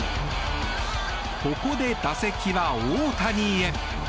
ここで打席は大谷へ。